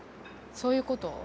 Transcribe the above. そういうこと？